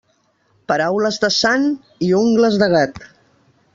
Paraules de sant i ungles de gat.